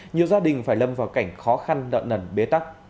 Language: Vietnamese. nhiều gia đình phải lâm vào cảnh khó khăn nợ nần bế tắc